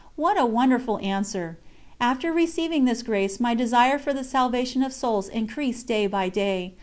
What a wonderful answer! After receiving this grace my desire for the salvation of souls increased day by day.